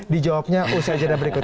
dijawabnya usai jadinya berikut